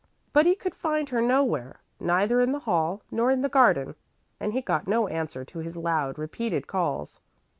But he could find her nowhere, neither in the hall nor in the garden, and he got no answer to his loud, repeated calls.